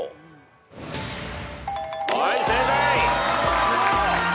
はい正解。